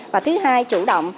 và thứ hai chủ động